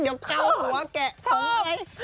น้องขวานเคิร์ดเดี๋ยวเข้าหัวแกะพร้อมไว้